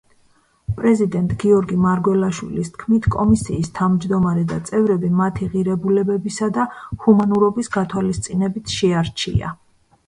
პრეზიდენტ გიორგი მარგველაშვილის თქმით, კომისიის თავმჯდომარე და წევრები მათი ღირებულებების და ჰუმანურობის გათვალისწინებით შეარჩია.